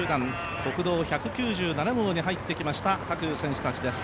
国道１９７号に入ってきた各選手たちです。